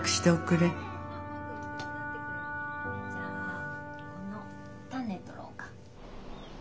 じゃあこの種取ろうか。